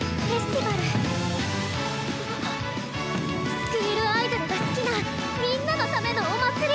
スクールアイドルが好きなみんなためのお祭り！